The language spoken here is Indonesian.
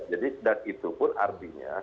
dan itu pun artinya